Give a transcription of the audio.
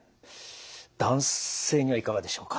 男性にはいかがでしょうか？